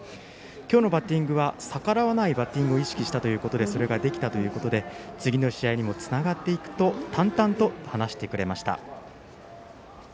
今日のバッティングは逆らわないバッティングを意識してそれができたということで次の試合にもつながっていくと淡々と話してくれました。